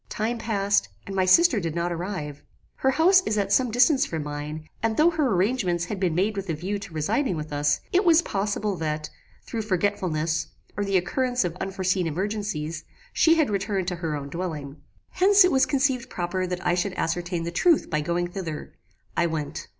"Time passed, and my sister did not arrive; her house is at some distance from mine, and though her arrangements had been made with a view to residing with us, it was possible that, through forgetfulness, or the occurrence of unforeseen emergencies, she had returned to her own dwelling. "Hence it was conceived proper that I should ascertain the truth by going thither. I went.